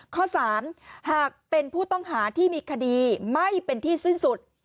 ข้อ๓หากเป็นผู้ต้องหาที่มีคดีไม่เป็นที่สิ้นสุด